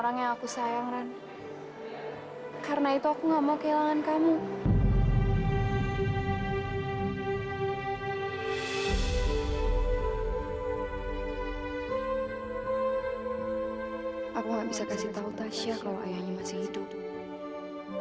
aku gak bisa kasih tau tasya kalau ayahnya masih hidup